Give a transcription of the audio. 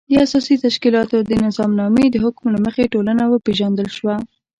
د اساسي تشکیلاتو د نظامنامې د حکم له مخې ټولنه وپېژندل شوه.